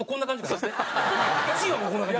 １位はもうこんな感じ。